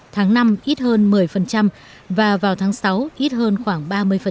tháng năm ít hơn một mươi và vào tháng sáu ít hơn khoảng ba mươi